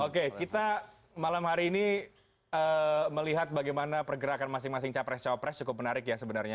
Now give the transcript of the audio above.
oke kita malam hari ini melihat bagaimana pergerakan masing masing capres capres cukup menarik ya sebenarnya